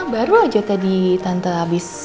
baru aja tadi tante habis